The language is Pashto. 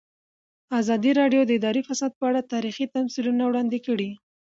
ازادي راډیو د اداري فساد په اړه تاریخي تمثیلونه وړاندې کړي.